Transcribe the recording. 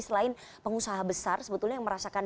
selain pengusaha besar sebetulnya yang merasakan